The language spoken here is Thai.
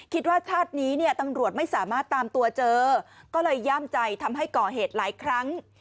ชาตินี้เนี่ยตำรวจไม่สามารถตามตัวเจอก็เลยย่ามใจทำให้ก่อเหตุหลายครั้ง